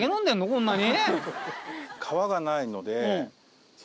こんなに？